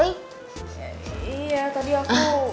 iya tadi aku